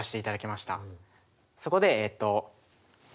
そこでえっと。